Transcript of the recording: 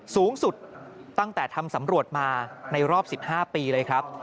สูงสุดตั้งแต่ทำสำรวจมาในรอบ๑๕ปีเลยครับ